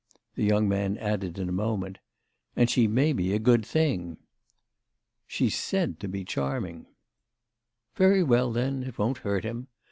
The young man added in a moment: "And she may be a good thing." "She's said to be charming." "Very well then, it won't hurt him.